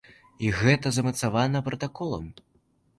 І гэта замацавана пратаколам.